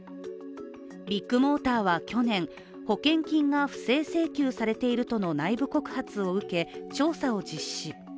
ビッグモーターは去年、保険金が不正請求されているとの内部告発を受け、調査を実施。